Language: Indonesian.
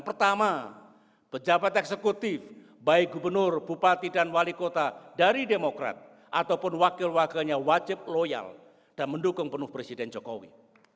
pertama pejabat eksekutif baik gubernur bupati dan wali kota dari demokrat ataupun wakil wakilnya wajib loyal dan mendukung penuh presiden jokowi